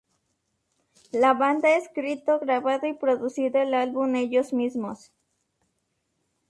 La banda ha escrito, grabado y producido el álbum ellos mismos.